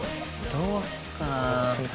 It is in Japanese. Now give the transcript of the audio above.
どうすっかなぁ。